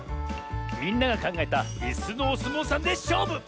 みんながかんがえたいすのおすもうさんでしょうぶ！